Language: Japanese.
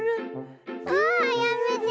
わあやめて。